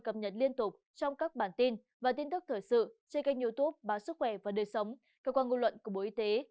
cảm ơn các bạn đã theo dõi và ủng hộ cho bộ y tế